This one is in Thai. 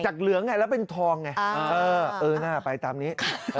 เหลืองไงแล้วเป็นทองไงเออน่าไปตามนี้